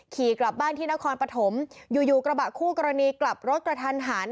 ขี่กลับบ้านที่นครปฐมอยู่อยู่กระบะคู่กรณีกลับรถกระทันหัน